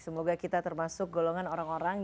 semoga kita termasuk golongan orang orang